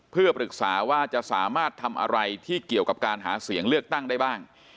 เพื่อปรึกษาว่าจะสามารถทำอะไรที่เกี่ยวกับการหาเสียงเลือกตั้งได้บ้าง